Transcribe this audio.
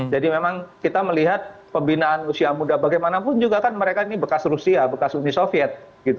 jadi memang kita melihat pembinaan usia muda bagaimanapun juga kan mereka ini bekas rusia bekas uni soviet